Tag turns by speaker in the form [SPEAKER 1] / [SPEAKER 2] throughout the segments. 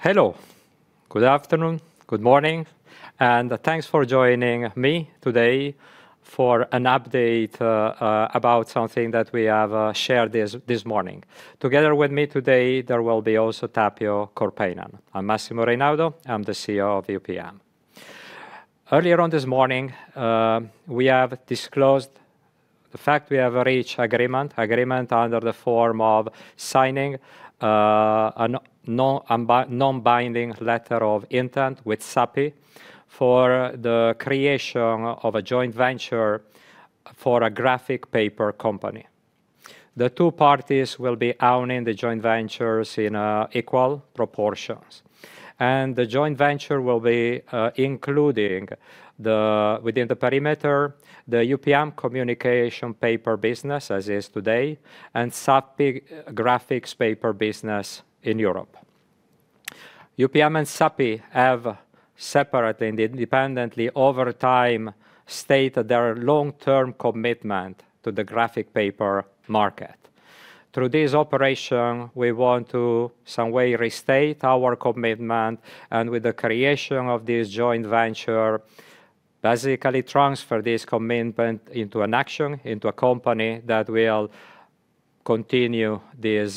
[SPEAKER 1] Hello. Good afternoon. Good morning and thanks for joining me today for an update about something that we have shared this morning. Together with me today, there will be also Tapio Korpeinen. i'm Massimo Reynaudo. i'm the CEO of UPM. Earlier on this morning, we have disclosed the fact we have reached an agreement under the form of signing a non-binding letter of intent with Sappi for the creation of a joint venture for a graphic paper company. The two parties will be owning the joint ventures in equal proportions. And the joint venture will be including UPM Communication Papers business, as is today, and Sappi graphics paper business in Europe. UPM and Sappi have separately and independently, over time, stated their long-term commitment to the graphic paper market. Through this operation, we want to, in some way, restate our commitment. With the creation of this joint venture, basically transfer this commitment into an action, into a company that will continue this,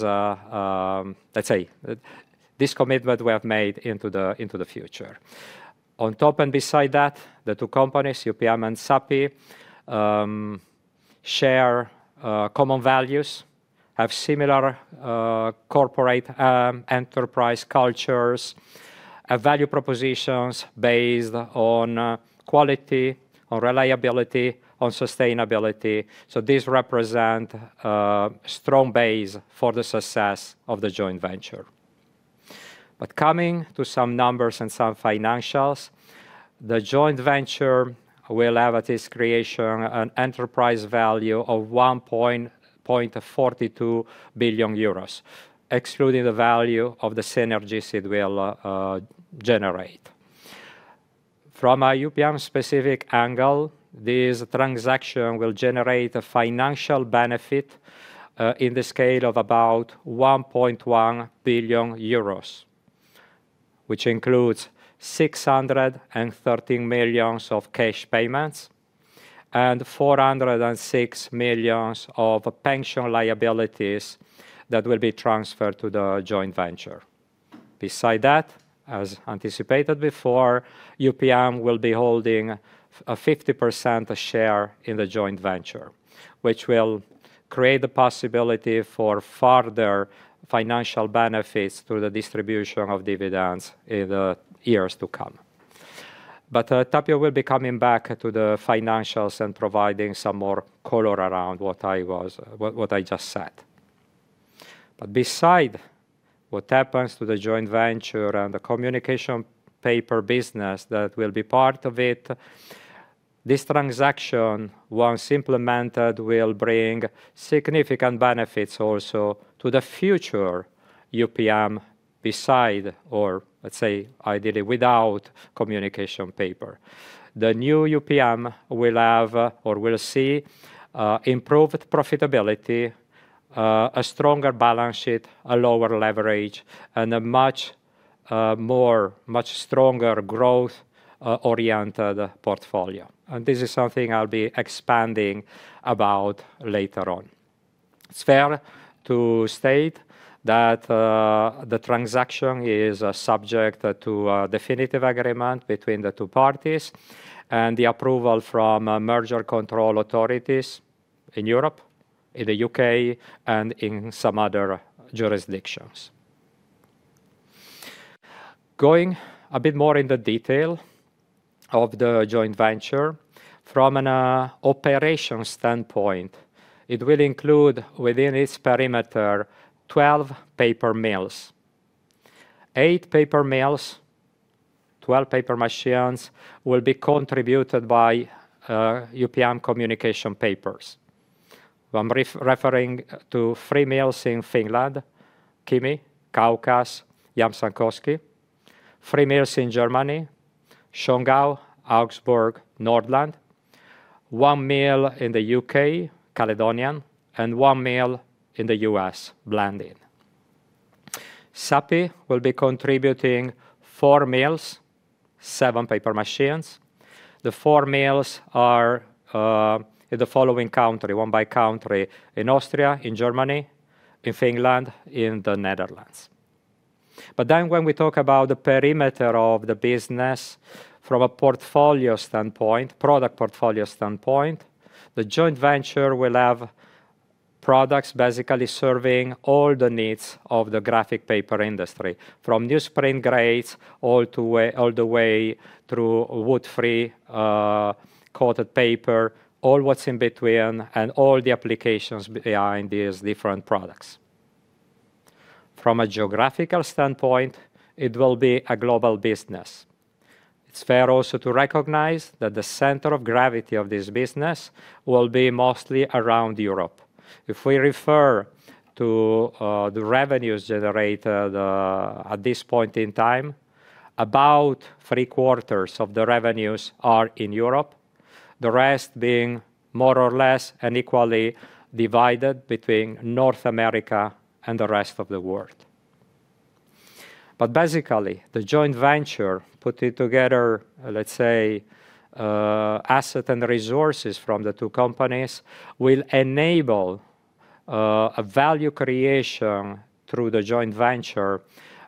[SPEAKER 1] let's say, this commitment we have made into the future. On top and beside that, the two companies, UPM and Sappi, share common values, have similar corporate enterprise cultures, and value propositions based on quality, on reliability, on sustainability. These represent a strong base for the success of the joint venture. Coming to some numbers and some financials, the joint venture will have, at its creation, an enterprise value of 1.42 billion euros, excluding the value of the synergies it will generate. From a UPM-specific angle, this transaction will generate a financial benefit in the scale of about 1.1 billion euros, which includes 613 million of cash payments and 406 million of pension liabilities that will be transferred to the joint venture. Besides that, as anticipated before, UPM will be holding a 50% share in the joint venture, which will create the possibility for further financial benefits through the distribution of dividends in the years to come, but Tapio will be coming back to the financials and providing some more color around what I just said, but besides what happens to the joint venture and the communication paper business that will be part of it, this transaction, once implemented, will bring significant benefits also to the future UPM, besides, or let's say, ideally without communication paper. The new UPM will have or will see improved profitability, a stronger balance sheet, a lower leverage, and a much stronger growth-oriented portfolio, and this is something I'll be expanding about later on. It's fair to state that the transaction is subject to a definitive agreement between the two parties and the approval from merger control authorities in Europe, in the U.K., and in some other jurisdictions. Going a bit more in the detail of the joint venture, from an operations standpoint, it will include within its perimeter 12 Eight UPM Communication Papers. i'm referring to three mills in Finland: Kymi, Kaukas, Jämsänkoski. three mills in Germany: Schongau, Augsburg, Nordland. One mill in the U.K., Caledonian, and one mill in the U.S., Blandin. Sappi will be contributing four mills, seven paper machines. The four mills are in the following country, one by country: in Austria, in Germany, in Finland, in the Netherlands. But then when we talk about the perimeter of the business from a portfolio standpoint, product portfolio standpoint, the joint venture will have products basically serving all the needs of the graphic paper industry, from newsprint grades all the way through woodfree coated paper, all what's in between, and all the applications behind these different products. From a geographical standpoint, it will be a global business. It's fair also to recognize that the center of gravity of this business will be mostly around Europe. If we refer to the revenues generated at this point in time, about three quarters of the revenues are in Europe, the rest being more or less and equally divided between North America and the rest of the world. But basically, the joint venture putting together, let's say, assets and resources from the two companies will enable a value creation through the joint venture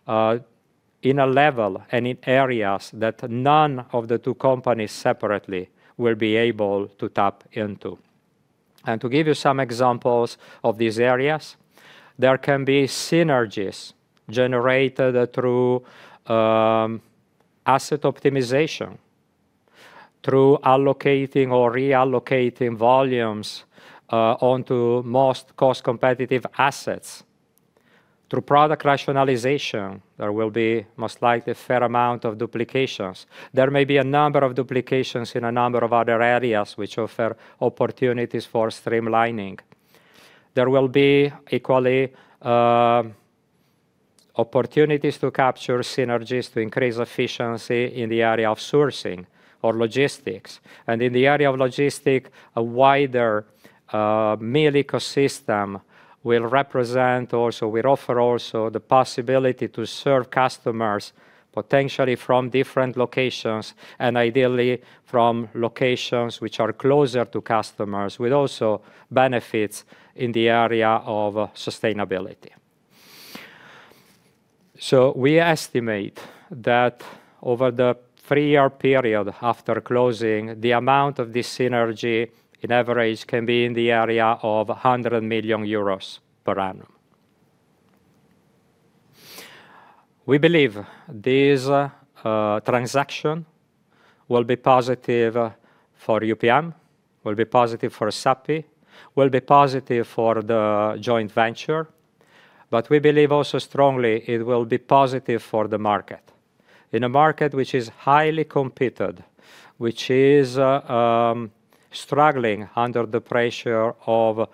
[SPEAKER 1] in a level and in areas that none of the two companies separately will be able to tap into, and to give you some examples of these areas, there can be synergies generated through asset optimization, through allocating or reallocating volumes onto most cost-competitive assets, through product rationalization. There will be most likely a fair amount of duplications. There may be a number of duplications in a number of other areas which offer opportunities for streamlining. There will be equally opportunities to capture synergies to increase efficiency in the area of sourcing or logistics. In the area of logistics, a wider mill ecosystem will represent, also will offer the possibility to serve customers potentially from different locations and ideally from locations which are closer to customers with also benefits in the area of sustainability. We estimate that over the three-year period after closing, the amount of this synergy in average can be in the area of 100 million euros per annum. We believe this transaction will be positive for UPM, will be positive for Sappi, will be positive for the joint venture, but we believe also strongly it will be positive for the market. In a market which is highly competitive, which is struggling under the pressure of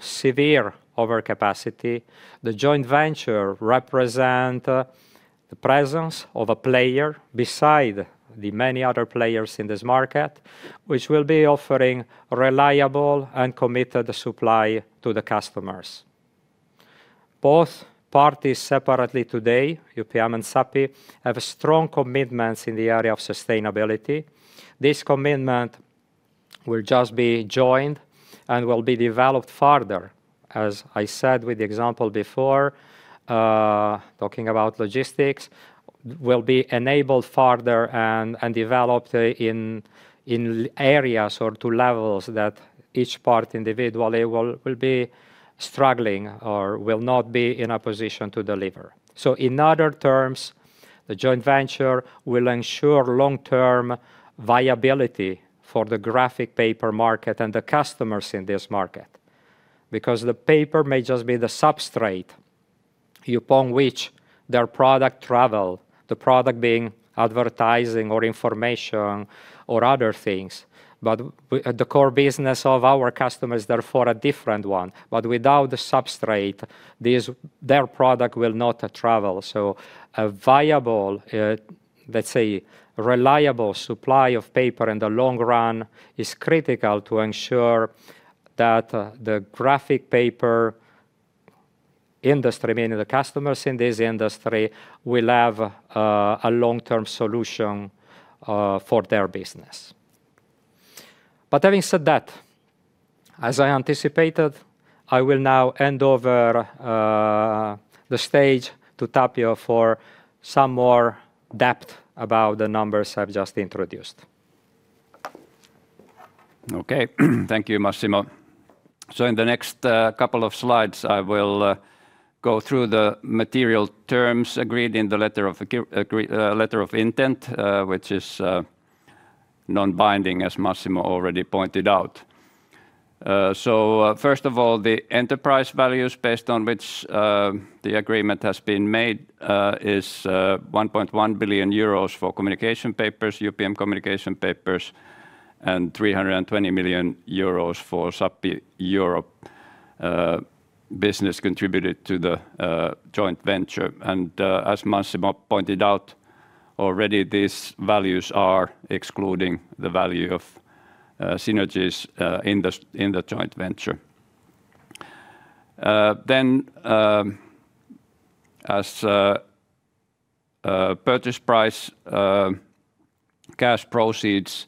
[SPEAKER 1] severe overcapacity, the joint venture represents the presence of a player beside the many other players in this market, which will be offering reliable and committed supply to the customers. Both parties separately today, UPM and Sappi, have strong commitments in the area of sustainability. This commitment will just be joined and will be developed further. As I said with the example before, talking about logistics, will be enabled further and developed in areas or to levels that each part individually will be struggling or will not be in a position to deliver. So in other terms, the joint venture will ensure long-term viability for the graphic paper market and the customers in this market, because the paper may just be the substrate upon which their product travels, the product being advertising or information or other things. But the core business of our customers therefore is a different one. But without the substrate, their product will not travel. So a viable, let's say, reliable supply of paper in the long run is critical to ensure that the graphic paper industry, meaning the customers in this industry, will have a long-term solution for their business. But having said that, as I anticipated, I will now hand over the stage to Tapio for some more depth about the numbers I've just introduced.
[SPEAKER 2] Okay. Thank you, Massimo. So in the next couple of slides, I will go through the material terms agreed in the letter of intent, which is non-binding, as Massimo already pointed out. So first of all, the enterprise values based on which the agreement upm communication papers, and 320 million euros for Sappi Europe business contributed to the joint venture. And as Massimo pointed out already, these values are excluding the value of synergies in the joint venture. Then as purchase price, cash proceeds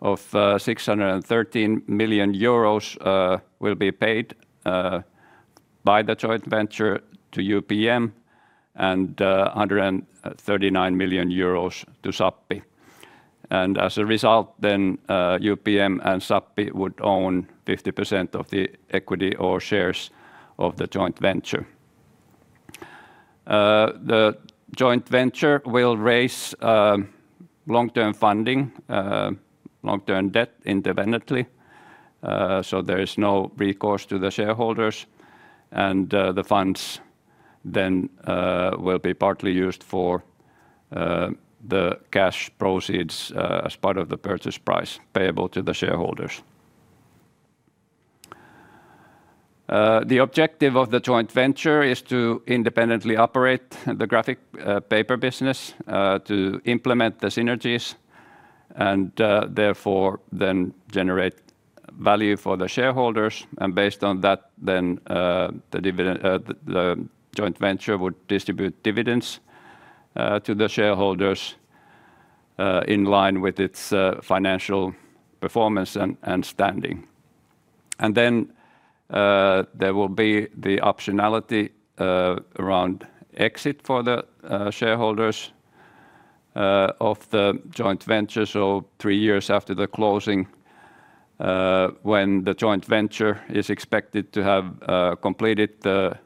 [SPEAKER 2] of 613 million euros will be paid by the joint venture to UPM and 139 million euros to Sappi. And as a result, then UPM and Sappi would own 50% of the equity or shares of the joint venture. The joint venture will raise long-term funding, long-term debt independently. So there is no recourse to the shareholders. And the funds then will be partly used for the cash proceeds as part of the purchase price payable to the shareholders. The objective of the joint venture is to independently operate the graphic paper business, to implement the synergies, and therefore then generate value for the shareholders. And based on that, then the joint venture would distribute dividends to the shareholders in line with its financial performance and standing. And then there will be the optionality around exit for the shareholders of the joint venture. So three years after the closing, when the joint venture is expected to have completed the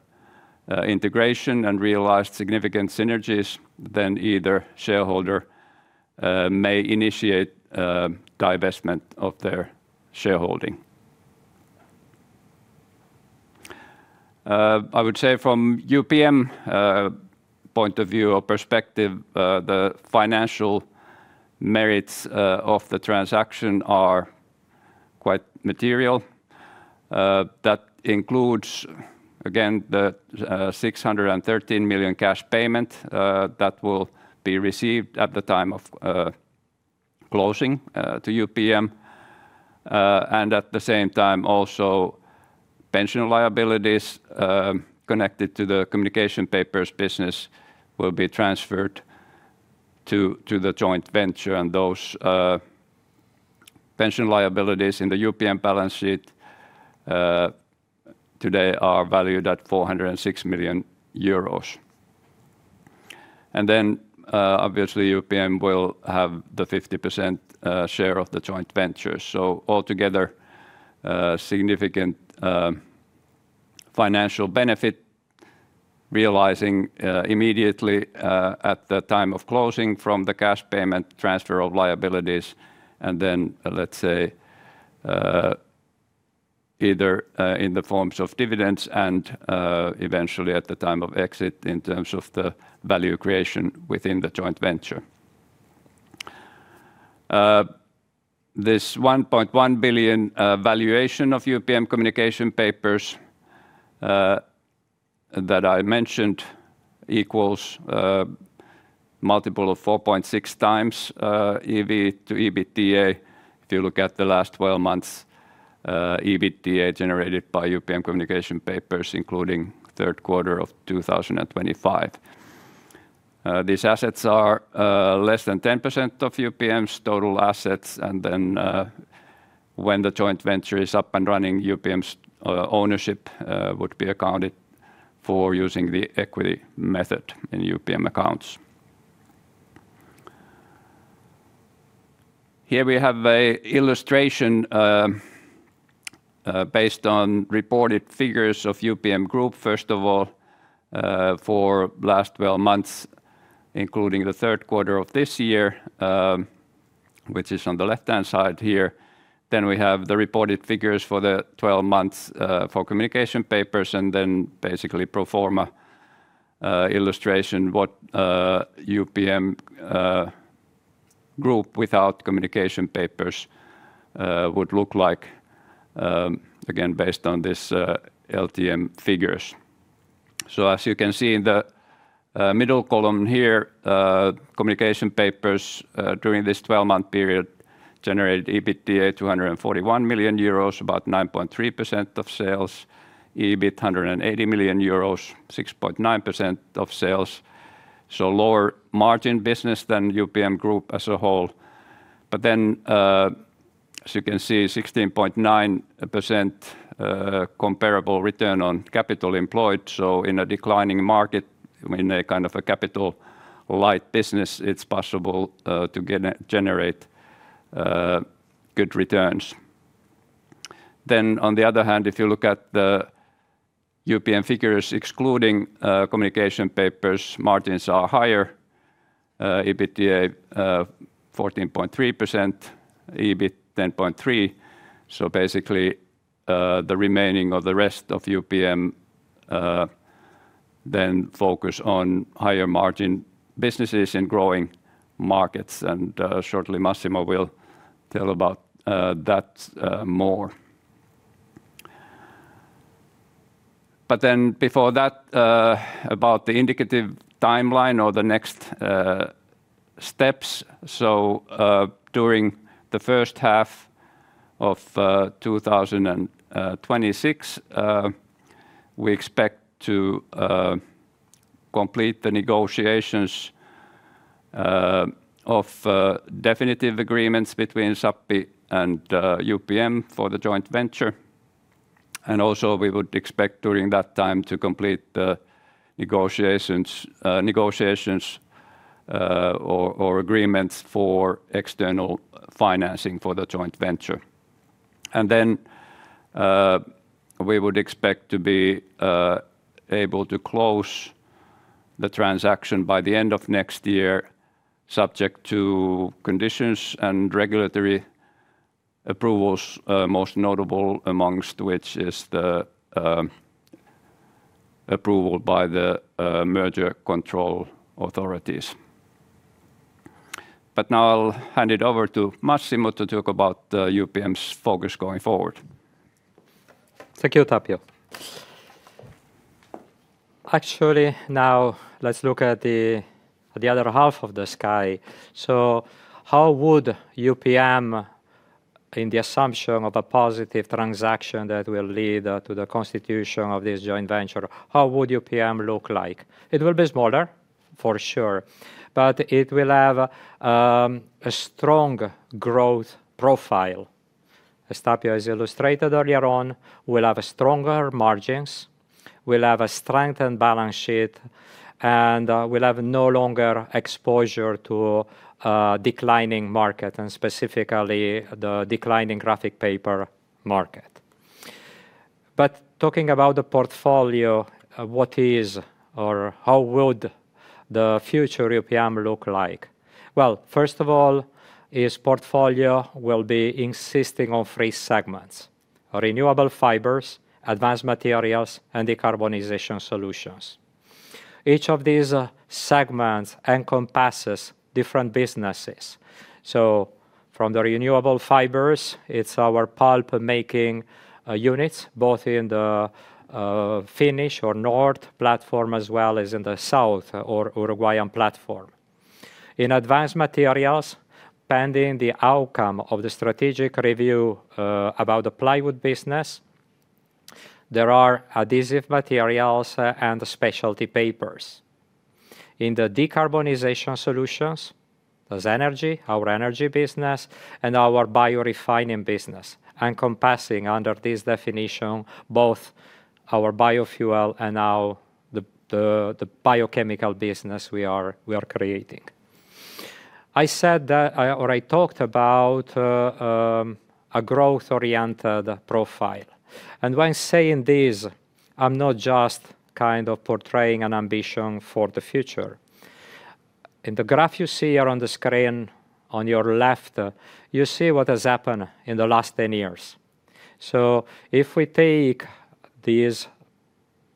[SPEAKER 2] integration and realized significant synergies, then either shareholder may initiate divestment of their shareholding. I would say from UPM's point of view or perspective, the financial merits of the transaction are quite material. That includes, again, the 613 million cash payment that will be received at the time of closing to UPM. And at the same time, also pension liabilities connected to the Communication Papers business will be transferred to the joint venture. And those pension liabilities in the UPM balance sheet today are valued at 406 million euros. And then obviously UPM will have the 50% share of the joint venture. So altogether, significant financial benefit realizing immediately at the time of closing from the cash payment transfer of liabilities and then, let's say, either in the forms of dividends and eventually at the time of exit in terms of the value creation within the joint venture. this 1.1 billion valuation of UPM Communication Papers that i mentioned equals a multiple of 4.6x EV to EBITDA if you look at UPM Communication Papers, including third quarter of 2025. these assets are less than 10% of UPM's total assets. And then when the joint venture is up and running, UPM's ownership would be accounted for using the equity method in UPM accounts. Here we have an illustration based on reported figures of UPM Group, first of all, for last 12 months, including the third quarter of this year, which is on the left-hand side here. Then we have the reported figures for the 12 months for Communication Papers and then basically pro forma illustration what UPM Group without Communication Papers would look like, again, based on these LTM figures. As you can see in the middle column here, Communication Papers during this 12-month period generated EBITDA 241 million euros, about 9.3% of sales, EBIT 180 million euros, 6.9% of sales. Lower margin business than UPM Group as a whole. As you can see, 16.9% comparable return on capital employed. In a declining market, in a kind of a capital-light business, it's possible to generate good returns. On the other hand, if you look at the UPM figures excluding Communication Papers, margins are higher. EBITDA 14.3%, EBIT 10.3%. Basically the remaining of the rest of UPM then focus on higher margin businesses in growing markets. Shortly, Massimo will tell about that more. Before that, about the indicative timeline or the next steps. During the first half of 2026, we expect to complete the negotiations of definitive agreements between Sappi and UPM for the joint venture. And also we would expect during that time to complete the negotiations or agreements for external financing for the joint venture. And then we would expect to be able to close the transaction by the end of next year, subject to conditions and regulatory approvals, most notable amongst which is the approval by the merger control authorities. But now I'll hand it over to Massimo to talk about UPM's focus going forward.
[SPEAKER 1] Thank you, Tapio. Actually, now let's look at the other half of the sky. So how would UPM, in the assumption of a positive transaction that will lead to the constitution of this joint venture, how would UPM look like? It will be smaller, for sure, but it will have a strong growth profile. As Tapio has illustrated earlier on, we'll have stronger margins, we'll have a strengthened balance sheet, and we'll have no longer exposure to declining market and specifically the declining graphic paper market. But talking about the portfolio, what is or how would the future UPM look like? Well, first of all, its portfolio will be insisting on renewable fibres, Advanced Materials, and Decarbonization Solutions. Each of these segments encompasses different businesses. So from Renewable Fibres, it's our pulp-making units, both in the Finnish, our north platform as well as in the south, our Uruguayan platform. Advanced Materials, pending the outcome of the strategic review about the plywood business, there are adhesive materials and specialty papers. In the Decarbonization Solutions, there's energy, our energy business, and our biorefining business, encompassing under this definition both our biofuel and now the biochemical business we are creating. I said that, or I talked about a growth-oriented profile, and when saying this, I'm not just kind of portraying an ambition for the future. In the graph you see here on the screen on your left, you see what has happened in the last 10 years. So if we take this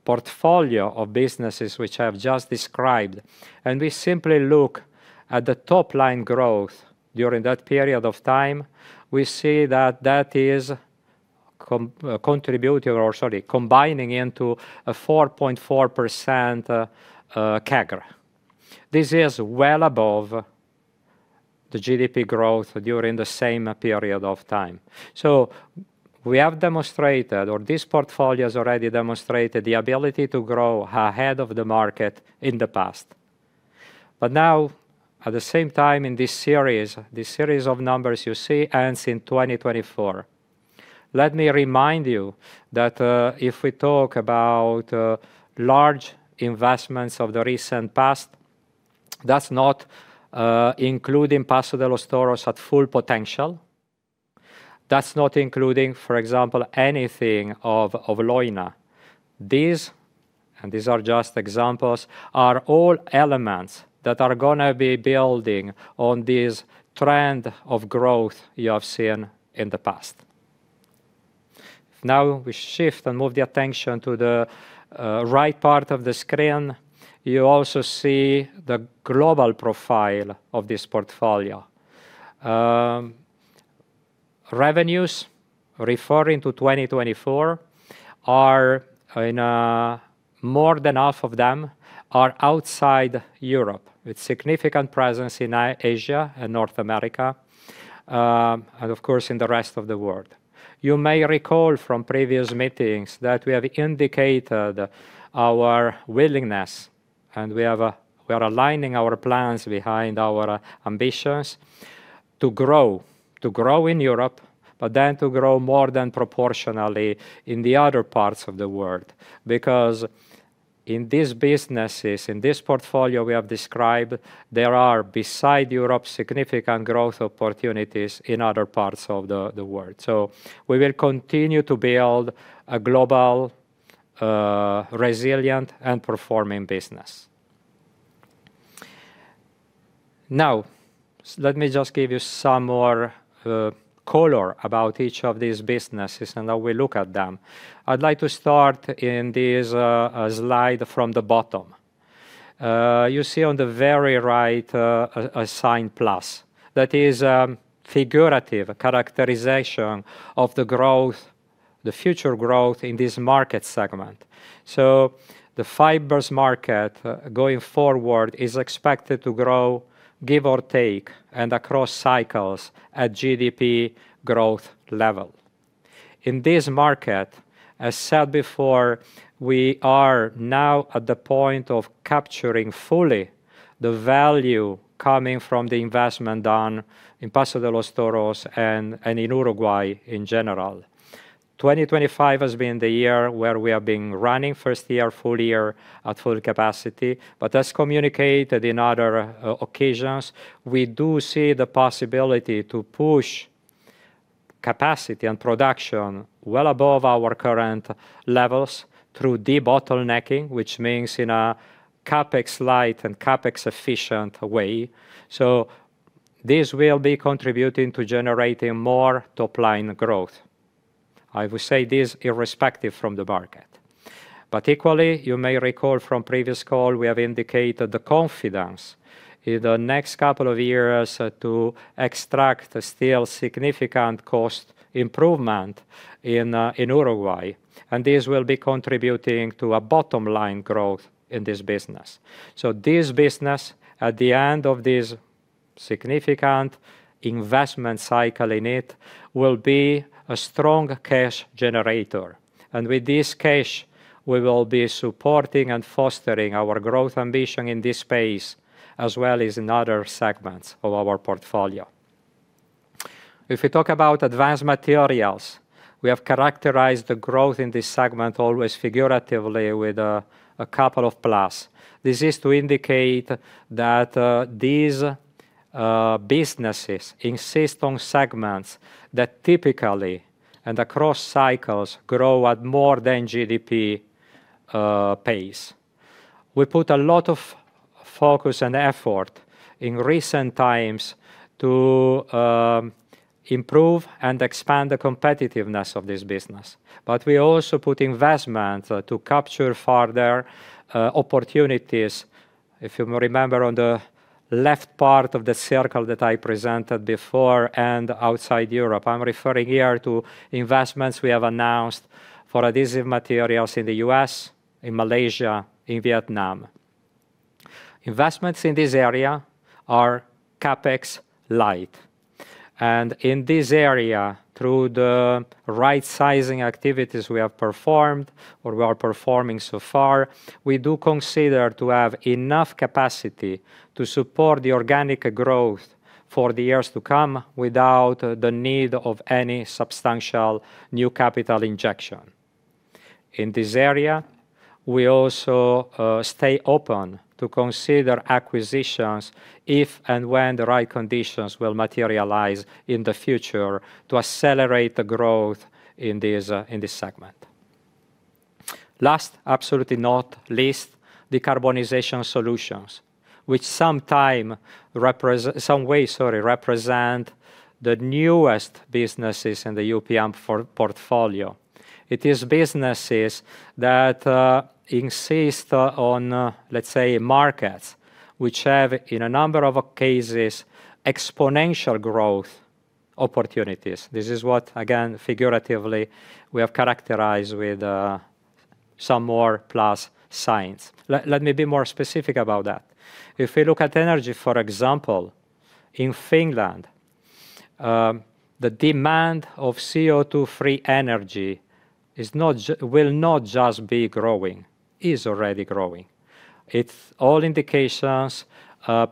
[SPEAKER 1] portfolio of businesses which I've just described and we simply look at the top-line growth during that period of time, we see that that is combining into a 4.4% CAGR. This is well above the GDP growth during the same period of time. So we have demonstrated, or this portfolio has already demonstrated the ability to grow ahead of the market in the past. But now, at the same time in this series, this series of numbers you see ends in 2024. Let me remind you that if we talk about large investments of the recent past, that's not including Paso de los Toros at full potential. That's not including, for example, anything of Leuna. These, and these are just examples, are all elements that are going to be building on this trend of growth you have seen in the past. Now we shift and move the attention to the right part of the screen. You also see the global profile of this portfolio. Revenues referring to 2024 are in more than half of them outside Europe with significant presence in Asia and North America and, of course, in the rest of the world. You may recall from previous meetings that we have indicated our willingness and we are aligning our plans behind our ambitions to grow, to grow in Europe, but then to grow more than proportionally in the other parts of the world. Because in these businesses, in this portfolio we have described, there are besides Europe significant growth opportunities in other parts of the world. So we will continue to build a global, resilient, and performing business. Now, let me just give you some more color about each of these businesses and how we look at them. I'd like to start in this slide from the bottom. You see on the very right a sign plus. That is a figurative characterization of the growth, the future growth in this market segment. So the fibers market going forward is expected to grow, give or take, and across cycles at GDP growth level. In this market, as said before, we are now at the point of capturing fully the value coming from the investment done in Paso de los Toros and in Uruguay in general. 2025 has been the year where we have been running first year, full year at full capacity. But as communicated in other occasions, we do see the possibility to push capacity and production well above our current levels through de-bottlenecking, which means in a CapEx light and CapEx efficient way. So this will be contributing to generating more top-line growth. I would say this irrespective from the market, but equally, you may recall from previous call, we have indicated the confidence in the next couple of years to extract still significant cost improvement in Uruguay, and this will be contributing to a bottom-line growth in this business, so this business, at the end of this significant investment cycle in it, will be a strong cash generator, and with this cash, we will be supporting and fostering our growth ambition in this space as well as in other segments of our portfolio. If we talk Advanced Materials, we have characterized the growth in this segment always figuratively with a couple of pluses. This is to indicate that these businesses insist on segments that typically and across cycles grow at more than GDP pace. We put a lot of focus and effort in recent times to improve and expand the competitiveness of this business. But we also put investment to capture further opportunities. If you remember on the left part of the circle that I presented before and outside Europe, I'm referring here to investments we have announced for adhesive materials in the U.S., in Malaysia, in Vietnam. Investments in this area are CapEx light, and in this area, through the right-sizing activities we have performed or we are performing so far, we do consider to have enough capacity to support the organic growth for the years to come without the need of any substantial new capital injection. In this area, we also stay open to consider acquisitions if and when the right conditions will materialize in the future to accelerate the growth in this segment. Last, absolutely not least, Decarbonization Solutions, which sometimes represent the newest businesses in the UPM portfolio. It is businesses that insist on, let's say, markets which have in a number of cases exponential growth opportunities. This is what, again, figuratively we have characterized with some more plus signs. Let me be more specific about that. If we look at energy, for example, in Finland, the demand for CO2-free energy will not just be growing. It's already growing. All indications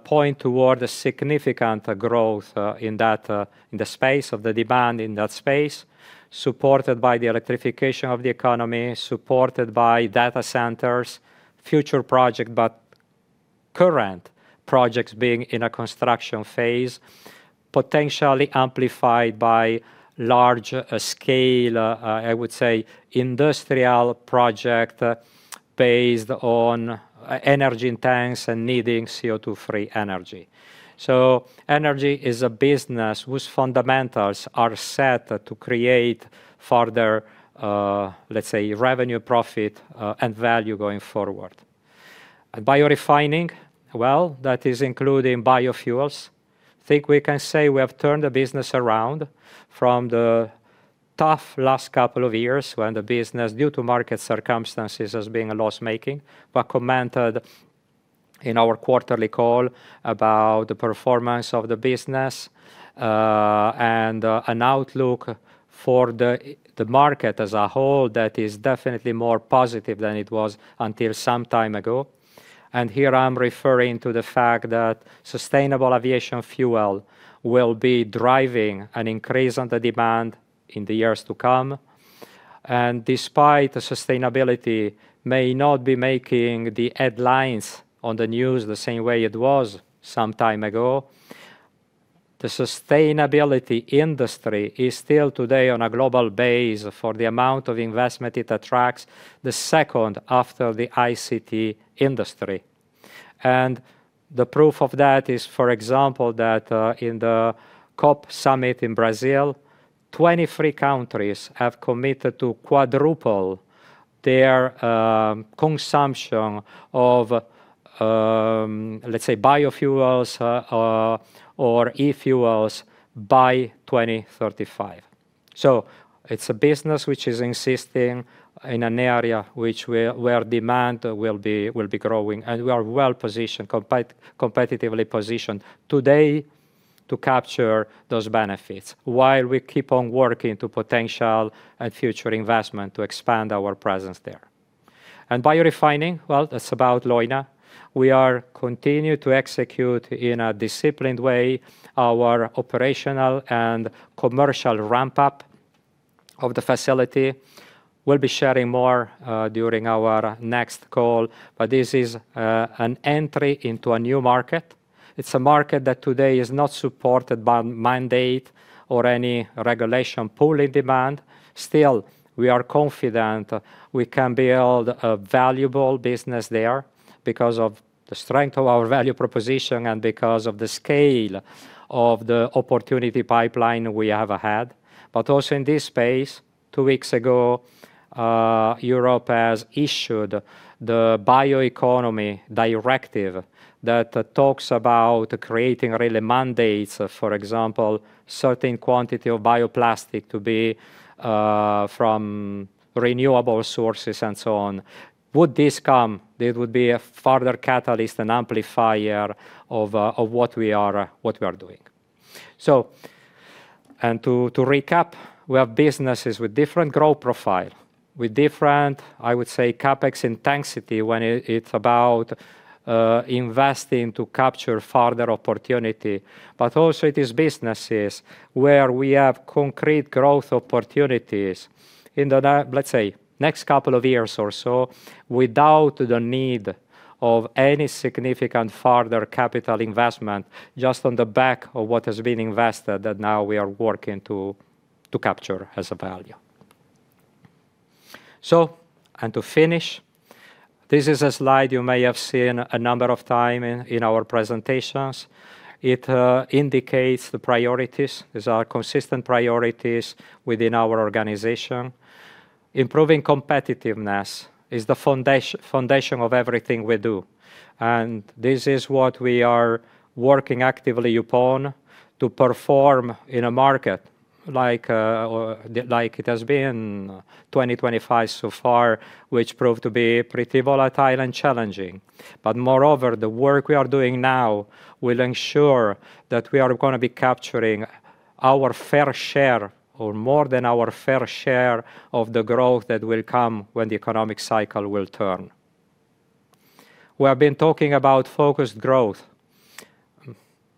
[SPEAKER 1] point toward a significant growth in the space of the demand in that space, supported by the electrification of the economy, supported by data centers, future projects, but current projects being in a construction phase, potentially amplified by large-scale, I would say, industrial projects based on energy-intensive needs and needing CO2-free energy. So energy is a business whose fundamentals are set to create further, let's say, revenue, profit, and value going forward. And biorefining, well, that is including biofuels. I think we can say we have turned the business around from the tough last couple of years when the business, due to market circumstances, has been a loss-making, but commented in our quarterly call about the performance of the business and an outlook for the market as a whole that is definitely more positive than it was until some time ago. And here I'm referring to the fact that sustainable aviation fuel will be driving an increase in the demand in the years to come. Despite the sustainability may not be making the headlines on the news the same way it was some time ago, the sustainability industry is still today on a global basis for the amount of investment it attracts, the second after the ICT industry. The proof of that is, for example, that in the COP summit in Brazil, 23 countries have committed to quadruple their consumption of, let's say, biofuels or e-fuels by 2035. It's a business which is investing in an area where demand will be growing, and we are well positioned, competitively positioned today to capture those benefits while we keep on working to potential and future investment to expand our presence there. Biorefining, well, that's about Leuna. We are continuing to execute in a disciplined way our operational and commercial ramp-up of the facility. We'll be sharing more during our next call, but this is an entry into a new market. It's a market that today is not supported by mandate or any regulation pulling demand. Still, we are confident we can build a valuable business there because of the strength of our value proposition and because of the scale of the opportunity pipeline we have ahead. But also in this space, two weeks ago, Europe has issued the Bioeconomy Directive that talks about creating really mandates, for example, certain quantity of bioplastic to be from renewable sources and so on. Would this come? It would be a further catalyst and amplifier of what we are doing. So, and to recap, we have businesses with different growth profile, with different, I would say, CapEx intensity when it's about investing to capture further opportunity. But also it is businesses where we have concrete growth opportunities in the, let's say, next couple of years or so without the need of any significant further capital investment just on the back of what has been invested that now we are working to capture as a value. So, and to finish, this is a slide you may have seen a number of times in our presentations. It indicates the priorities. These are consistent priorities within our organization. Improving competitiveness is the foundation of everything we do, and this is what we are working actively upon to perform in a market like it has been 2025 so far, which proved to be pretty volatile and challenging. But moreover, the work we are doing now will ensure that we are going to be capturing our fair share or more than our fair share of the growth that will come when the economic cycle will turn. We have been talking about focused growth.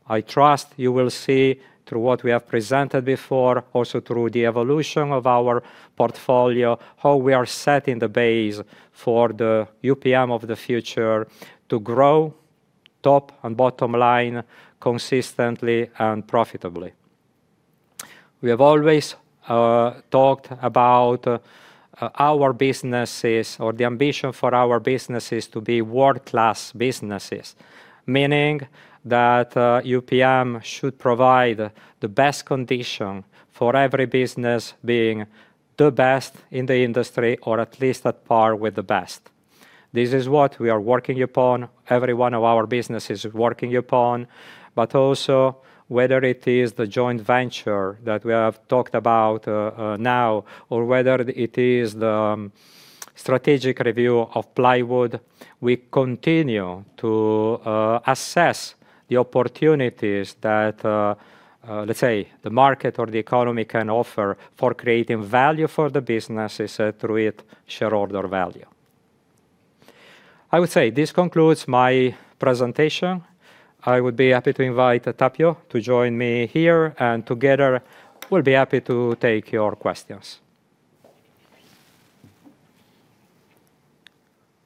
[SPEAKER 1] I trust you will see through what we have presented before, also through the evolution of our portfolio, how we are setting the base for the UPM of the future to grow top and bottom line consistently and profitably. We have always talked about our businesses or the ambition for our businesses to be world-class businesses, meaning that UPM should provide the best condition for every business being the best in the industry or at least at par with the best. This is what we are working upon. Every one of our businesses is working upon, but also whether it is the joint venture that we have talked about now or whether it is the strategic review of Plywood, we continue to assess the opportunities that, let's say, the market or the economy can offer for creating value for the businesses through its shareholder value. I would say this concludes my presentation. I would be happy to invite Tapio to join me here, and together we'll be happy to take your questions.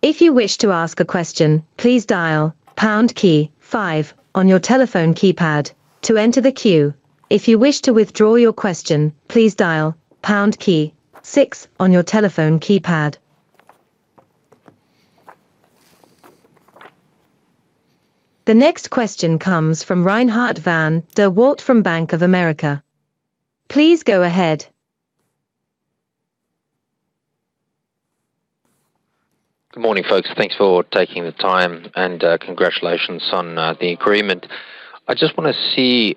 [SPEAKER 3] If you wish to ask a question, please dial pound key five on your telephone keypad to enter the queue. If you wish to withdraw your question, please dial pound key six on your telephone keypad. The next question comes from Reinhardt van der Walt from Bank of America. Please go ahead.
[SPEAKER 4] Good morning, folks. Thanks for taking the time, and congratulations on the agreement. I just want to see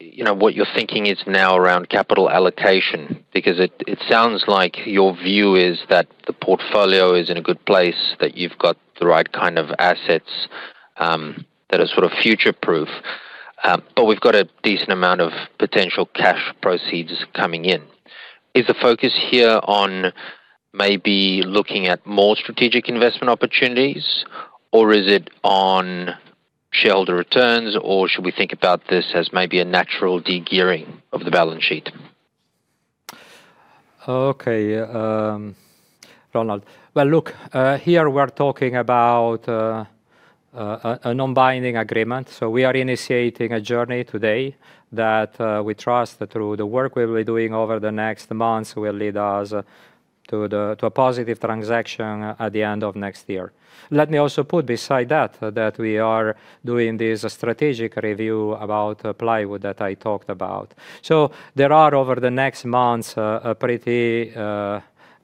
[SPEAKER 4] what your thinking is now around capital allocation, because it sounds like your view is that the portfolio is in a good place, that you've got the right kind of assets that are sort of future-proof. But we've got a decent amount of potential cash proceeds coming in. Is the focus here on maybe looking at more strategic investment opportunities, or is it on shareholder returns, or should we think about this as maybe a natural degearing of the balance sheet?
[SPEAKER 1] Okay, Reinhardt. Well, look, here we're talking about a non-binding agreement. So we are initiating a journey today that we trust through the work we'll be doing over the next months will lead us to a positive transaction at the end of next year. Let me also put beside that we are doing this strategic review about Plywood that I talked about. So there are over the next months a pretty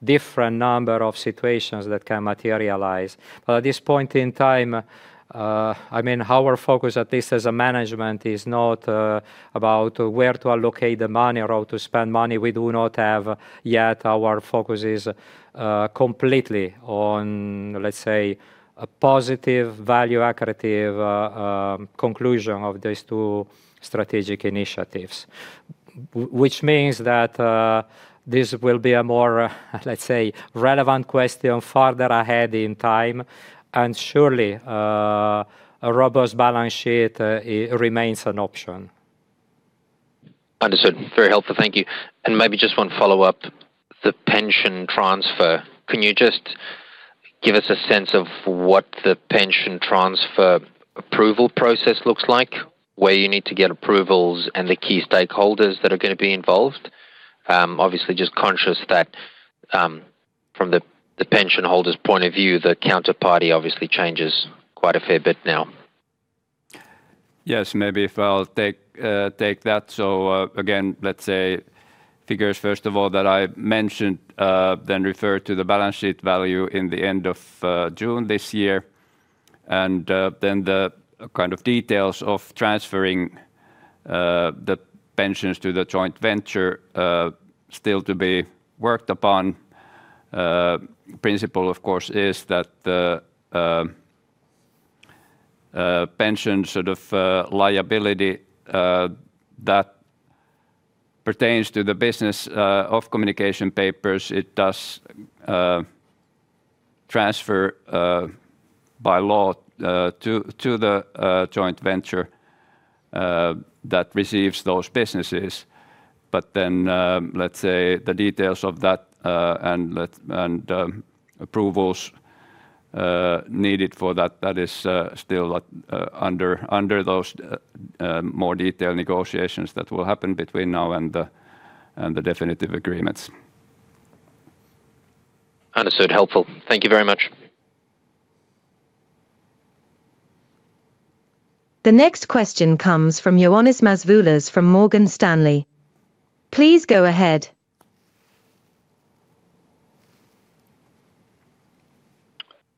[SPEAKER 1] different number of situations that can materialize. But at this point in time, I mean, our focus, at least as a management, is not about where to allocate the money or how to spend money. We do not have yet, our focus is completely on, let's say, a positive value-accretive conclusion of these two strategic initiatives, which means that this will be a more, let's say, relevant question further ahead in time, and surely a robust balance sheet remains an option.
[SPEAKER 4] Understood. Very helpful. Thank you, and maybe just one follow-up. The pension transfer, can you just give us a sense of what the pension transfer approval process looks like, where you need to get approvals and the key stakeholders that are going to be involved? Obviously, just conscious that from the pension holders' point of view, the counterparty obviously changes quite a fair bit now.
[SPEAKER 2] Yes, maybe if I'll take that. So again, let's say figures, first of all, that I mentioned, then refer to the balance sheet value in the end of June this year. And then the kind of details of transferring the pensions to the joint venture still to be worked upon. In principle, of course, is that pension sort of liability that pertains to the business of Communication Papers, it does transfer by law to the joint venture that receives those businesses. But then, let's say the details of that and the approvals needed for that, that is still under those more detailed negotiations that will happen between now and the definitive agreements.
[SPEAKER 4] Understood. Helpful. Thank you very much.
[SPEAKER 3] The next question comes from Ioannis Masvoulas from Morgan Stanley. Please go ahead.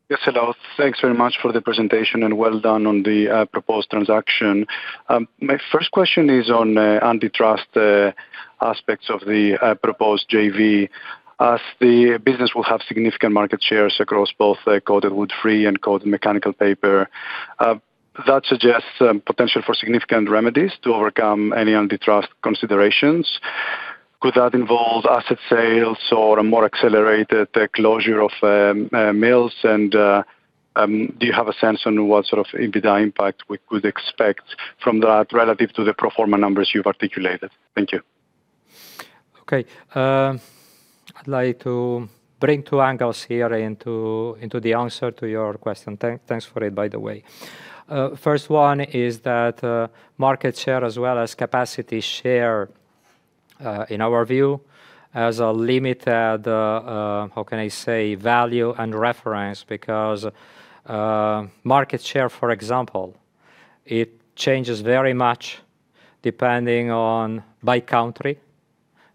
[SPEAKER 5] Yes, hello. Thanks very much for the presentation and well done on the proposed transaction. My first question is on antitrust aspects of the proposed JV. As the business will have significant market shares across both coated woodfree and coated mechanical paper, that suggests potential for significant remedies to overcome any antitrust considerations. Could that involve asset sales or a more accelerated closure of mills? And do you have a sense on what sort of impact we could expect from that relative to the pro forma numbers you've articulated? Thank you.
[SPEAKER 1] Okay. I'd like to bring two angles here into the answer to your question. Thanks for it, by the way. First one is that market share as well as capacity share, in our view, has a limited, how can I say, value and reference, because market share, for example, it changes very much depending on by country,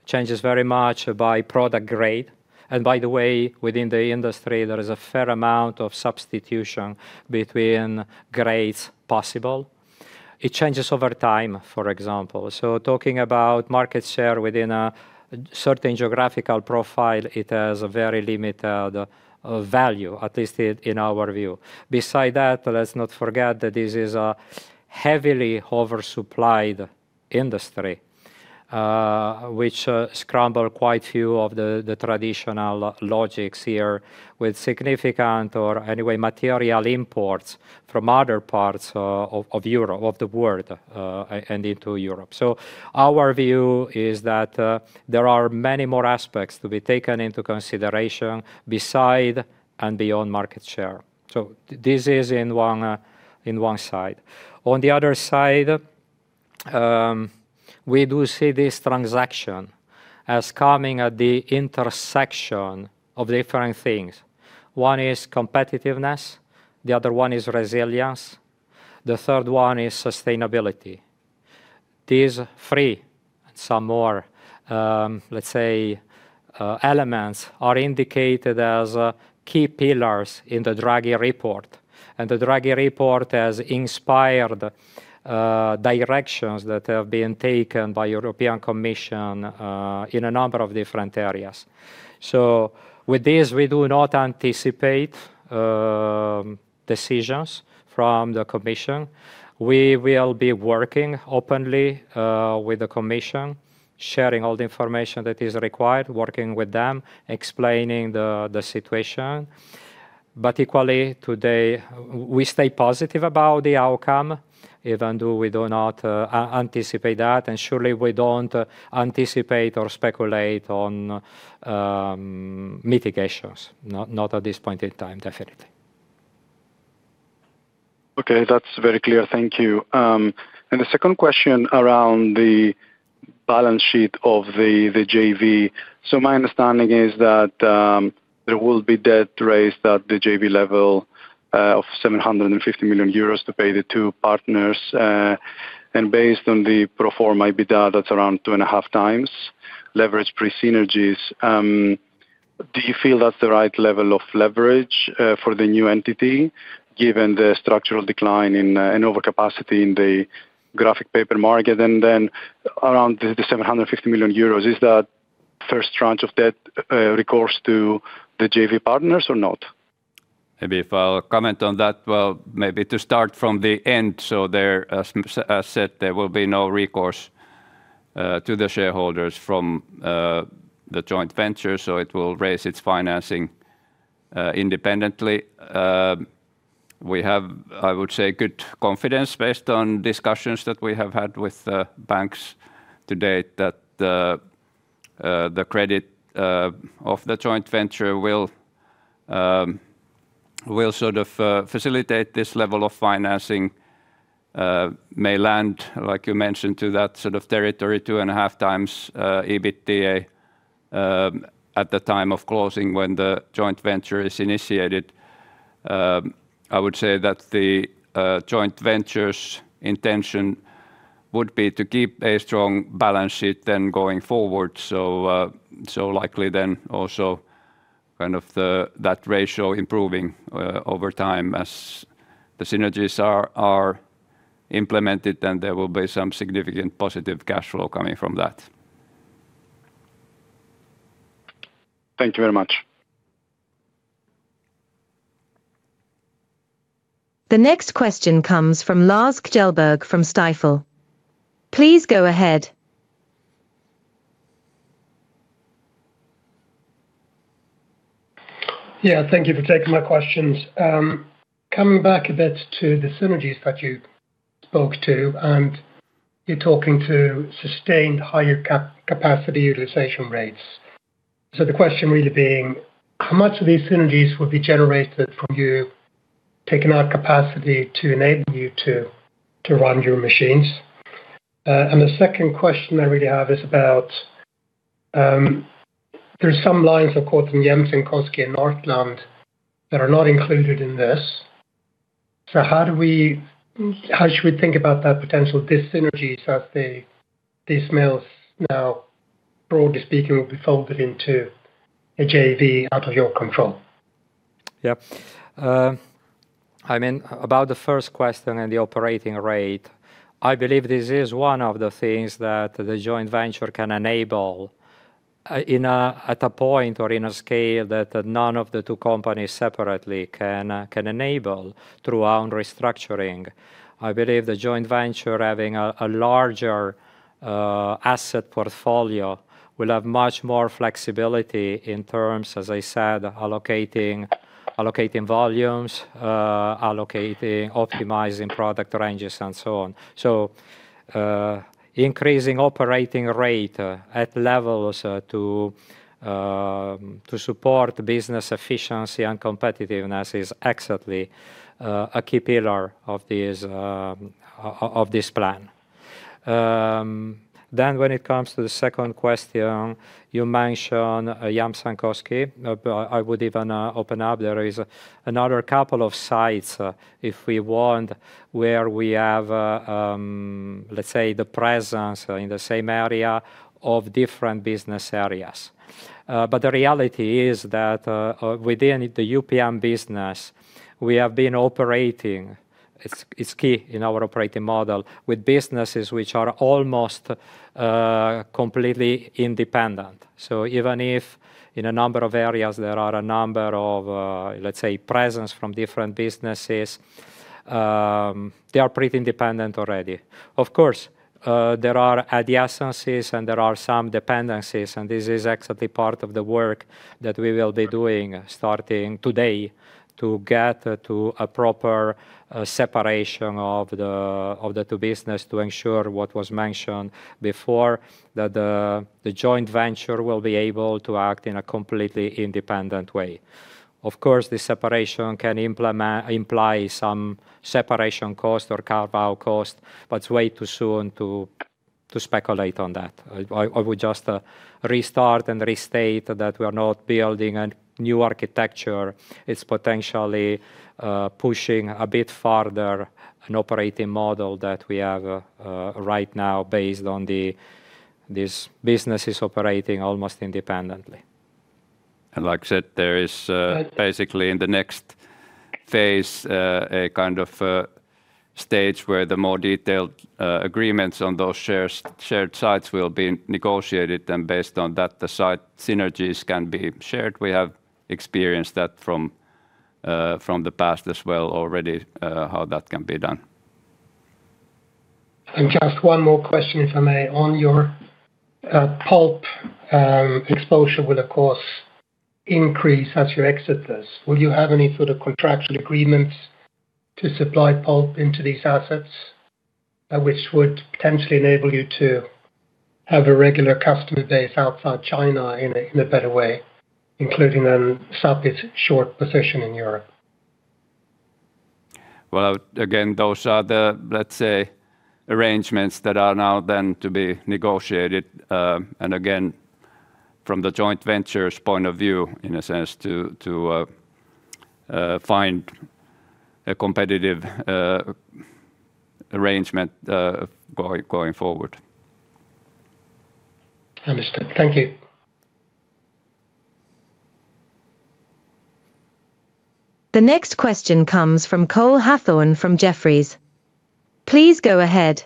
[SPEAKER 1] changes very much by product grade. And by the way, within the industry, there is a fair amount of substitution between grades possible. It changes over time, for example. So talking about market share within a certain geographical profile, it has a very limited value, at least in our view. Beside that, let's not forget that this is a heavily oversupplied industry, which scrambled quite a few of the traditional logics here with significant or anyway material imports from other parts of Europe, of the world, and into Europe. So our view is that there are many more aspects to be taken into consideration beside and beyond market share. So this is on one side. On the other side, we do see this transaction as coming at the intersection of different things. One is competitiveness. The other one is resilience. The third one is sustainability. These three and some more, let's say, elements are indicated as key pillars in the Draghi report. And the Draghi report has inspired directions that have been taken by the European Commission in a number of different areas. So with this, we do not anticipate decisions from the Commission. We will be working openly with the Commission, sharing all the information that is required, working with them, explaining the situation. But equally, today, we stay positive about the outcome, even though we do not anticipate that. And surely we don't anticipate or speculate on mitigations, not at this point in time, definitely.
[SPEAKER 5] Okay, that's very clear. Thank you. The second question around the balance sheet of the JV. My understanding is that there will be debt raised at the JV level of 750 million euros to pay the two partners. Based on the pro forma EBITDA, that's around 2.5x leverage pre-synergies. Do you feel that's the right level of leverage for the new entity, given the structural decline in overcapacity in the graphic paper market? Then around the 750 million euros, is that first tranche of debt recourse to the JV partners or not?
[SPEAKER 2] Maybe I will comment on that. Well, maybe to start from the end. They said there will be no recourse to the shareholders from the joint venture, so it will raise its financing independently. We have, I would say, good confidence based on discussions that we have had with banks to date that the credit of the joint venture will sort of facilitate this level of financing, may land, like you mentioned, to that sort of territory, two and a half times EBITDA at the time of closing when the joint venture is initiated. I would say that the joint venture's intention would be to keep a strong balance sheet then going forward. So likely then also kind of that ratio improving over time as the synergies are implemented, and there will be some significant positive cash flow coming from that.
[SPEAKER 5] Thank you very much.
[SPEAKER 3] The next question comes from Lars Kjellberg from Stifel. Please go ahead.
[SPEAKER 6] Yeah, thank you for taking my questions. Coming back a bit to the synergies that you spoke to, and you're talking to sustained higher capacity utilization rates. So the question really being, how much of these synergies will be generated from you taking out capacity to enable you to run your machines? And the second question I really have is about there are some lines of course in Jämsänkoski and Nordland that are not included in this. So how should we think about that potential dis-synergies as these mills now, broadly speaking, will be folded into a JV out of your control?
[SPEAKER 1] Yeah. I mean, about the first question and the operating rate, I believe this is one of the things that the joint venture can enable at a point or in a scale that none of the two companies separately can enable through our restructuring. I believe the joint venture, having a larger asset portfolio, will have much more flexibility in terms, as I said, allocating volumes, allocating, optimizing product ranges, and so on. So increasing operating rate at levels to support business efficiency and competitiveness is exactly a key pillar of this plan. Then when it comes to the second question, you mentioned Jämsänkoski. I would even open up. There is another couple of sites, if we want, where we have, let's say, the presence in the same area of different business areas. But the reality is that within the UPM business, we have been operating. It's key in our operating model with businesses which are almost completely independent. So even if in a number of areas there are a number of, let's say, presence from different businesses, they are pretty independent already. Of course, there are adjacencies and there are some dependencies, and this is actually part of the work that we will be doing starting today to get to a proper separation of the two businesses to ensure what was mentioned before, that the joint venture will be able to act in a completely independent way. Of course, the separation can imply some separation cost or carve-out cost, but it's way too soon to speculate on that. I would just restart and restate that we are not building a new architecture. It's potentially pushing a bit farther an operating model that we have right now based on these businesses operating almost independently.
[SPEAKER 2] And like I said, there is basically in the next phase a kind of stage where the more detailed agreements on those shared sites will be negotiated, and based on that, the site synergies can be shared. We have experienced that from the past as well already, how that can be done.
[SPEAKER 6] And just one more question, if I may, on your pulp exposure, which will, of course, increase as you exit this. Will you have any sort of contractual agreements to supply pulp into these assets, which would potentially enable you to have a regular customer base outside China in a better way, including then Sappi's short position in Europe?
[SPEAKER 2] Well, again, those are the, let's say, arrangements that are now then to be negotiated. And again, from the joint venture's point of view, in a sense, to find a competitive arrangement going forward.
[SPEAKER 6] Understood. Thank you.
[SPEAKER 3] The next question comes from Cole Hathorn from Jefferies. Please go ahead.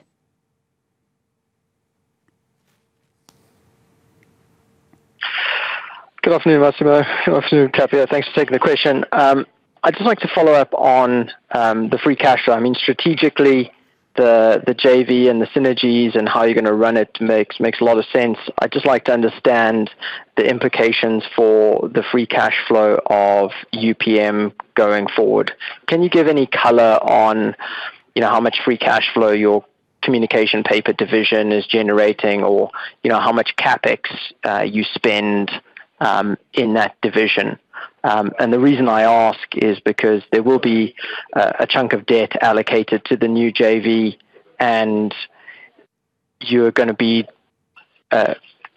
[SPEAKER 7] Good afternoon, Massimo. Good afternoon, Sappi. Thanks for taking the question. I'd just like to follow up on the free cash flow. I mean, strategically, the JV and the synergies and how you're going to run it makes a lot of sense. I'd just like to understand the implications for the free cash flow of UPM going forward. Can you give any color on how much free cash flow your communication paper division is generating or how much CapEx you spend in that division? And the reason I ask is because there will be a chunk of debt allocated to the new JV, and you're going to be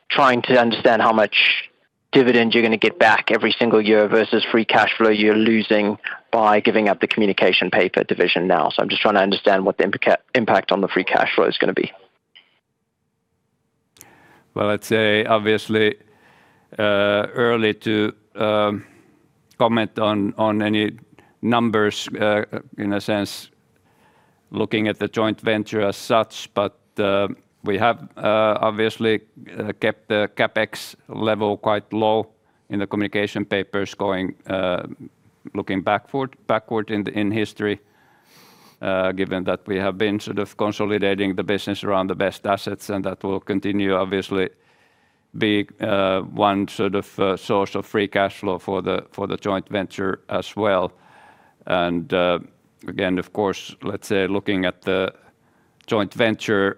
[SPEAKER 7] trying to understand how much dividend you're going to get back every single year versus free cash flow you're losing by giving up the communication paper division now. So I'm just trying to understand what the impact on the free cash flow is going to be.
[SPEAKER 1] I'd say obviously early to comment on any numbers in a sense, looking at the joint venture as such, but we have obviously kept the CapEx level quite low in the Communication Papers going backward in history, given that we have been sort of consolidating the business around the best assets, and that will continue obviously being one sort of source of free cash flow for the joint venture as well. Again, of course, let's say looking at the joint venture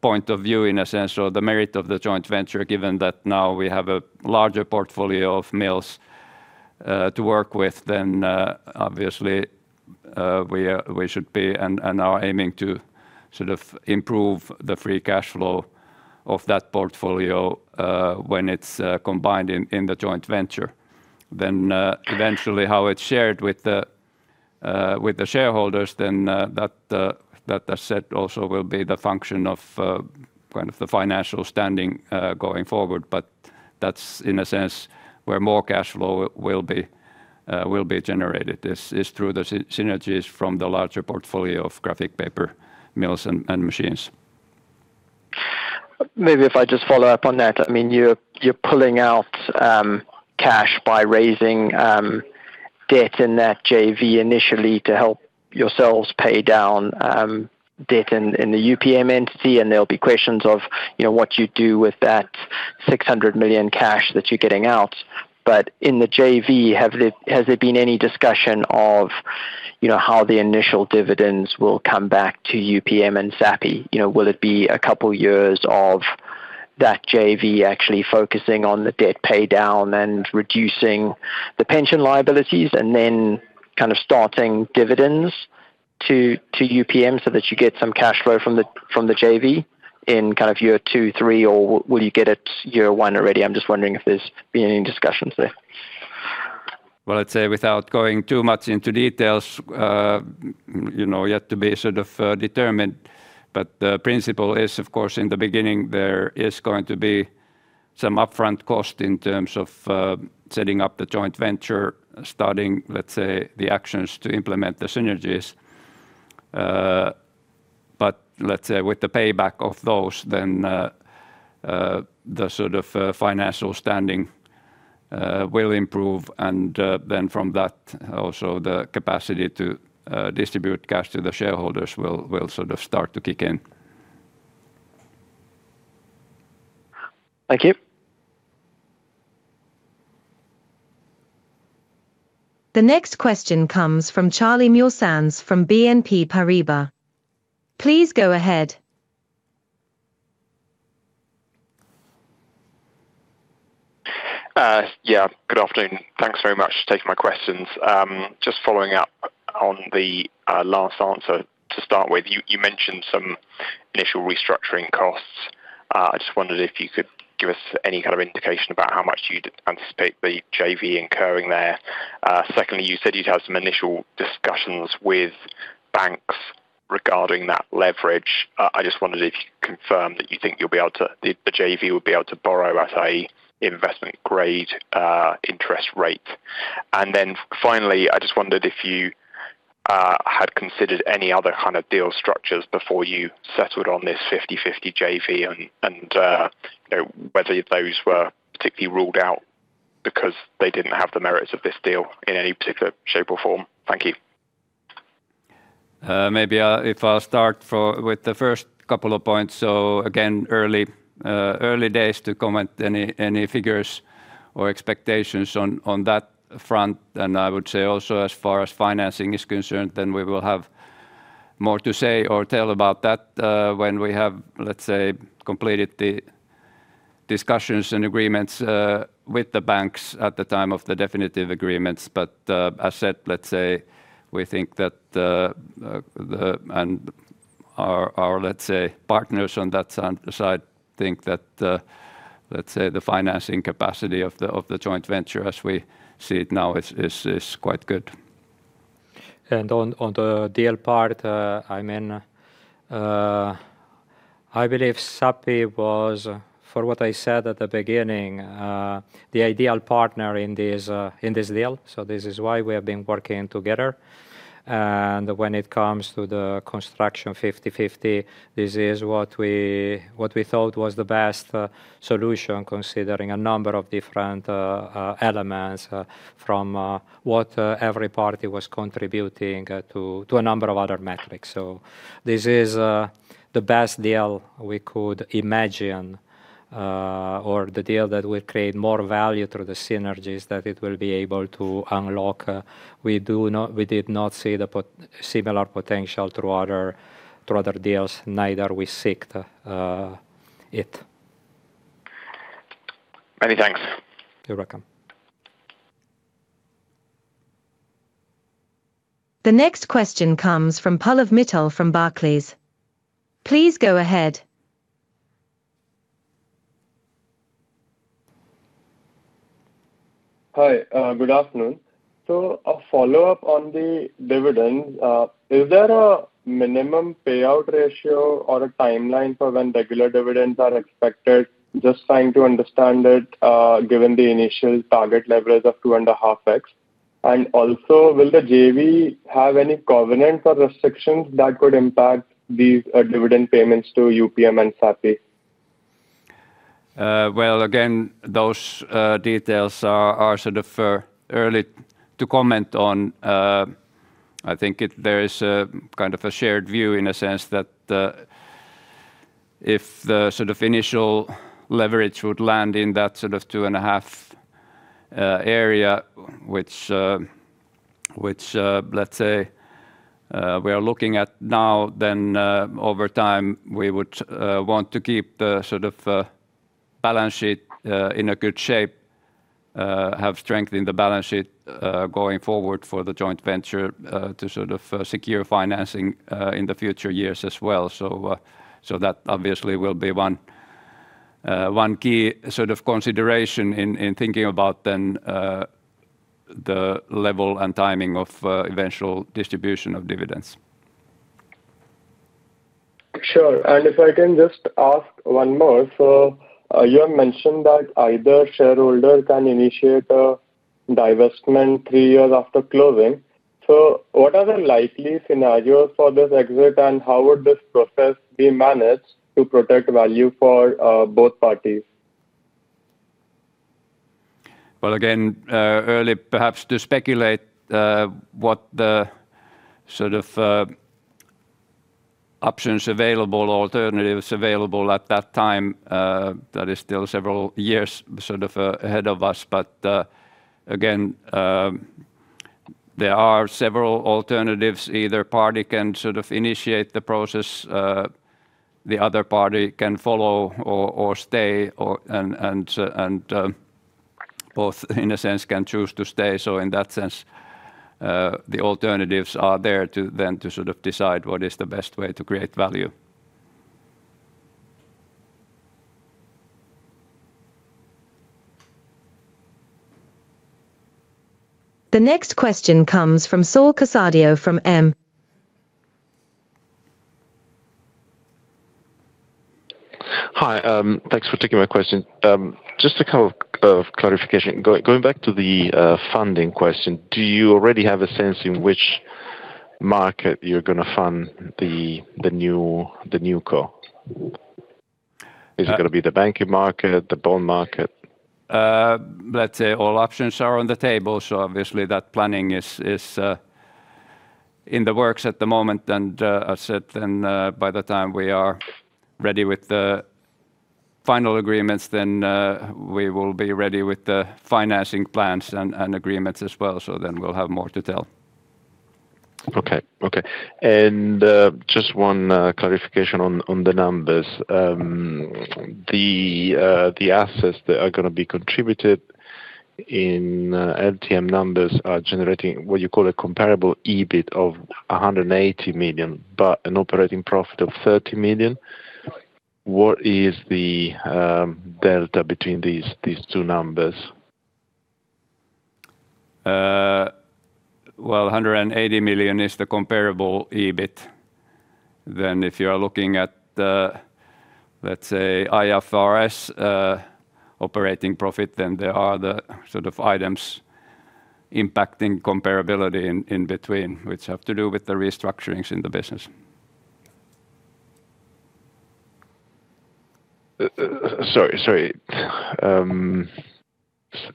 [SPEAKER 1] point of view in a sense, or the merit of the joint venture, given that now we have a larger portfolio of mills to work with, then obviously we should be and are aiming to sort of improve the free cash flow of that portfolio when it's combined in the joint venture. Then eventually how it's shared with the shareholders, then that, as said, also will be the function of kind of the financial standing going forward. But that's in a sense where more cash flow will be generated is through the synergies from the larger portfolio of graphic paper mills and machines.
[SPEAKER 7] Maybe if I just follow up on that. I mean, you're pulling out cash by raising debt in that JV initially to help yourselves pay down debt in the UPM entity, and there'll be questions of what you do with that 600 million cash that you're getting out. But in the JV, has there been any discussion of how the initial dividends will come back to UPM and Sappi? Will it be a couple of years of that JV actually focusing on the debt pay down and reducing the pension liabilities and then kind of starting dividends to UPM so that you get some cash flow from the JV in kind of year two, three, or will you get it year one already? I'm just wondering if there's been any discussions there.
[SPEAKER 2] Well, I'd say without going too much into details, yet to be sort of determined. But the principle is, of course, in the beginning, there is going to be some upfront cost in terms of setting up the joint venture, starting, let's say, the actions to implement the synergies. But let's say with the payback of those, then the sort of financial standing will improve, and then from that, also the capacity to distribute cash to the shareholders will sort of start to kick in.
[SPEAKER 7] Thank you.
[SPEAKER 3] The next question comes from Charlie Muir-Sands from BNP Paribas. Please go ahead.
[SPEAKER 8] Yeah, good afternoon. Thanks very much for taking my questions. Just following up on the last answer to start with, you mentioned some initial restructuring costs. I just wondered if you could give us any kind of indication about how much you'd anticipate the JV incurring there. Secondly, you said you'd have some initial discussions with banks regarding that leverage. I just wondered if you could confirm that you think you'll be able to, the JV will be able to borrow at an investment-grade interest rate. And then finally, I just wondered if you had considered any other kind of deal structures before you settled on this 50/50 JV and whether those were particularly ruled out because they didn't have the merits of this deal in any particular shape or form. Thank you.
[SPEAKER 2] Maybe if I'll start with the first couple of points. So again, early days to comment any figures or expectations on that front. And I would say also as far as financing is concerned, then we will have more to say or tell about that when we have, let's say, completed the discussions and agreements with the banks at the time of the definitive agreements. But as said, let's say we think that our, let's say, partners on that side think that, let's say, the financing capacity of the joint venture as we see it now is quite good.
[SPEAKER 1] And on the deal part, I mean, I believe Sappi was, for what I said at the beginning, the ideal partner in this deal. So this is why we have been working together. When it comes to the construction 50/50, this is what we thought was the best solution considering a number of different elements from what every party was contributing to a number of other metrics. This is the best deal we could imagine or the deal that would create more value through the synergies that it will be able to unlock. We did not see the similar potential through other deals, neither we sought it.
[SPEAKER 8] Many thanks.
[SPEAKER 1] You're welcome.
[SPEAKER 3] The next question comes from Pallav Mittal from Barclays. Please go ahead.
[SPEAKER 9] Hi, good afternoon. A follow-up on the dividends. Is there a minimum payout ratio or a timeline for when regular dividends are expected? Just trying to understand it given the initial target leverage of 2.5x. Will the JV have any covenants or restrictions that could impact these dividend payments to UPM and Sappi?
[SPEAKER 2] Well, again, those details are sort of early to comment on. I think there is kind of a shared view in a sense that if the sort of initial leverage would land in that sort of 2.5x area, which, let's say, we are looking at now, then over time we would want to keep the sort of balance sheet in a good shape, have strength in the balance sheet going forward for the joint venture to sort of secure financing in the future years as well. So that obviously will be one key sort of consideration in thinking about then the level and timing of eventual distribution of dividends.
[SPEAKER 9] Sure. If I can just ask one more. You have mentioned that either shareholder can initiate a divestment three years after closing. So what are the likely scenarios for this exit and how would this process be managed to protect value for both parties?
[SPEAKER 2] Well, again, early perhaps to speculate what the sort of options available, alternatives available at that time. That is still several years sort of ahead of us. But again, there are several alternatives. Either party can sort of initiate the process, the other party can follow or stay, and both in a sense can choose to stay. So in that sense, the alternatives are there to then to sort of decide what is the best way to create value.
[SPEAKER 3] The next question comes from Saul Casadio from M&G.
[SPEAKER 10] Hi, thanks for taking my question. Just a couple of clarifications. Going back to the funding question, do you already have a sense in which market you're going to fund the newgo? Is it going to be the banking market, the bond market?
[SPEAKER 1] Let's say all options are on the table. So obviously that planning is in the works at the moment. And as said, then by the time we are ready with the final agreements, then we will be ready with the financing plans and agreements as well. So then we'll have more to tell.
[SPEAKER 10] Okay. Okay. And just one clarification on the numbers. The assets that are going to be contributed in LTM numbers are generating what you call a comparable EBIT of 180 million, but an operating profit of 30 million. What is the delta between these two numbers?
[SPEAKER 2] Well, 180 million is the comparable EBIT. Then if you are looking at, let's say, IFRS operating profit, then there are the sort of items impacting comparability in between, which have to do with the restructurings in the business. Sorry, sorry.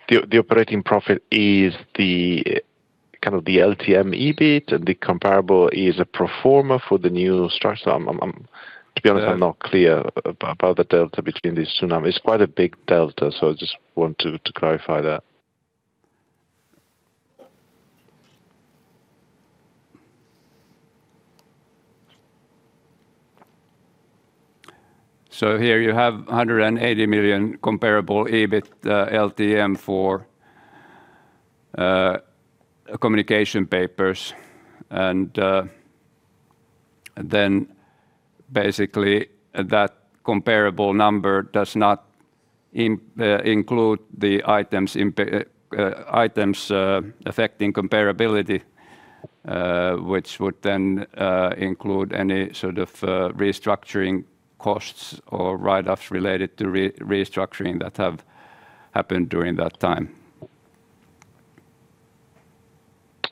[SPEAKER 2] The operating profit is the kind of the LTM EBIT, and the comparable is a performer for the new structure. To be honest, I'm not clear about the delta between these two numbers. It's quite a big delta, so I just want to clarify that.
[SPEAKER 1] So here you have 180 million comparable EBIT LTM for Communication Papers. And then basically that comparable number does not include the items affecting comparability, which would then include any sort of restructuring costs or write-offs related to restructuring that have happened during that time.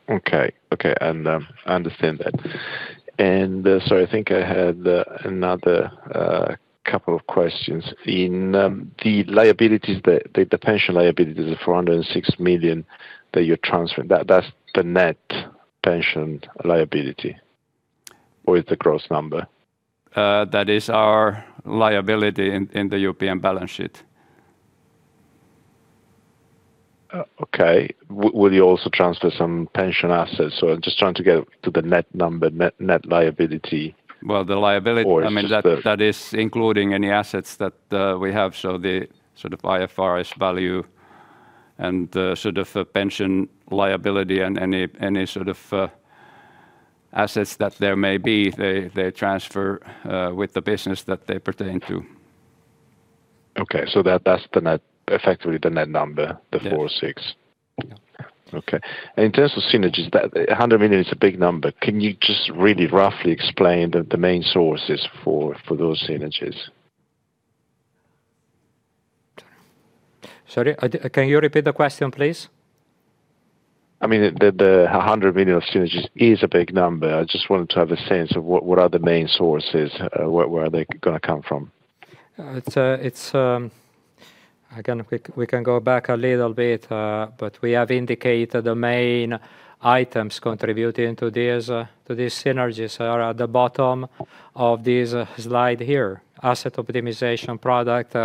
[SPEAKER 10] Okay. Okay. And I understand that. And sorry, I think I had another couple of questions. In the liabilities, the pension liabilities of 406 million that you're transferring, that's the net pension liability or is the gross number?
[SPEAKER 2] That is our liability in the UPM balance sheet.
[SPEAKER 10] Okay. Will you also transfer some pension assets? So I'm just trying to get to the net number, net liability.
[SPEAKER 2] Well, the liability, I mean, that is including any assets that we have. So the sort of IFRS value and sort of pension liability and any sort of assets that there may be, they transfer with the business that they pertain to.
[SPEAKER 10] Okay. So that's effectively the net number, the 406? Okay. In terms of synergies, 100 million is a big number. Can you just really roughly explain the main sources for those synergies?
[SPEAKER 1] Sorry, can you repeat the question, please?
[SPEAKER 10] I mean, the 100 million of synergies is a big number. I just wanted to have a sense of what are the main sources, where are they going to come from.
[SPEAKER 1] Again, we can go back a little bit, but we have indicated the main items contributing to these synergies are at the bottom of this slide here. Asset optimization, product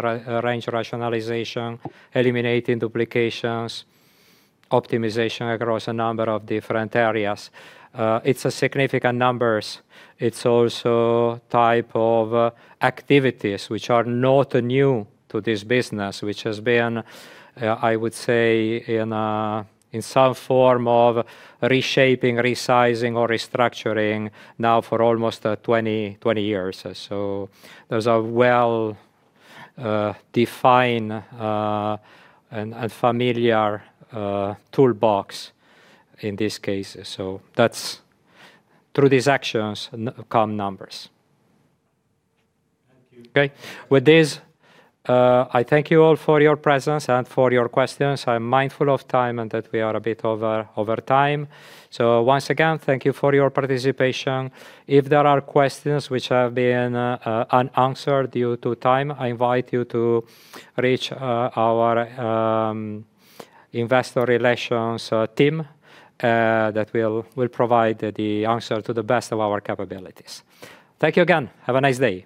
[SPEAKER 1] range rationalization, eliminating duplications, optimization across a number of different areas. It's a significant number. It's also a type of activities which are not new to this business, which has been, I would say, in some form of reshaping, resizing, or restructuring now for almost 20 years, so there's a well-defined and familiar toolbox in this case. So that's through these actions come numbers. Okay. With this, I thank you all for your presence and for your questions. I'm mindful of time and that we are a bit over time, so once again, thank you for your participation. If there are questions which have been unanswered due to time, I invite you to reach our Investor Relations team that will provide the answer to the best of our capabilities. Thank you again. Have a nice day.